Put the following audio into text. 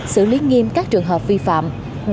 xử lý nghiêm các trường hợp vi phạm